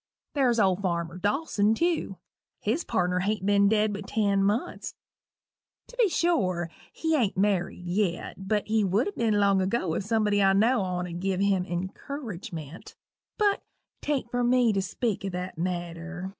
There's old farmer Dawson, tew his pardner hain't ben dead but ten months. To be sure, he ain't married yet but he would a ben long enough ago if somebody I know on'd gin him any incurridgement. But 'tain't for me to speak o' that matter.